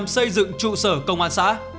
một trăm linh xây dựng trụ sở công an xã